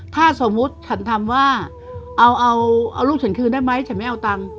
ถ้าสมมุติฉันทำว่าเอาเอาลูกฉันคืนได้ไหมฉันไม่เอาตังค์